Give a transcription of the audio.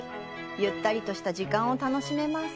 ゆったりとした時間を楽しめます。